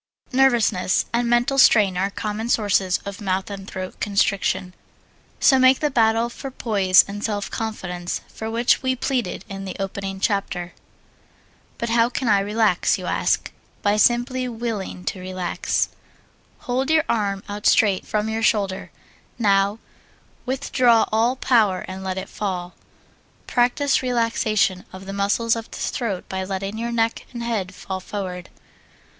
Nervousness and mental strain are common sources of mouth and throat constriction, so make the battle for poise and self confidence for which we pleaded in the opening chapter. But how can I relax? you ask. By simply willing to relax. Hold your arm out straight from your shoulder. Now withdraw all power and let it fall. Practise relaxation of the muscles of the throat by letting your neck and head fall forward.